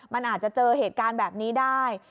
มันอาจจะเจอเหตุการณ์แบบนี้ได้